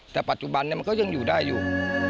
แต่ปัจจุบันมันก็ยังอยู่ได้อยู่